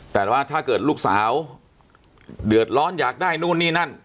แต่ว่าถ้าเกิดลูกสาวเดือดร้อนอยากได้นู่นนี่นั่น